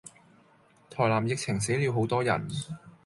台南疫情死了好多人